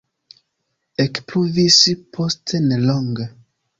Ekpluvis post nelonge.